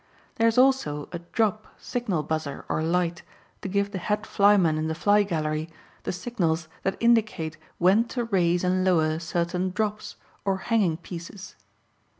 There is also a "drop" signal buzzer or light to give the head flyman in the fly gallery the signals that indicate when to raise and lower certain "drops," or hanging pieces.